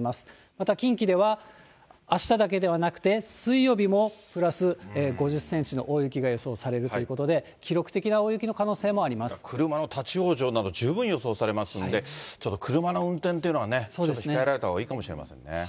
また近畿では、あしただけではなくて、水曜日もプラス５０センチの大雪が予想されるということで、記録車の立往生など、十分予想されますんで、ちょっと車の運転というのはね、ちょっと控えられたほうがいいかもしれませんね。